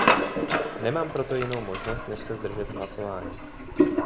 Nemám proto jinou možnost než se zdržet hlasování.